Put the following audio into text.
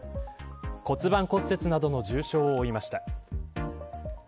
骨盤骨折などの重傷を負いました。